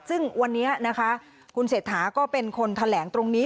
ซึ่งวันนี้นะคะคุณเศรษฐาก็เป็นคนแถลงตรงนี้